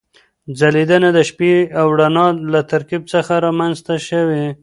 ځلېدنه د شپې او رڼا له ترکیب څخه رامنځته شوې.